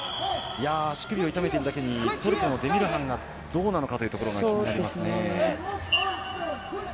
手首を痛めているだけにデミルハンがどうなのかというところが気になりますね。